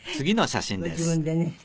ご自分でね。